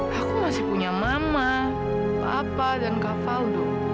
kak aku masih punya mama papa dan kak faudo